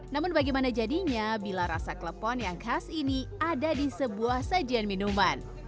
namun bagaimana jadinya bila rasa klepon yang khas ini ada di sebuah sajian minuman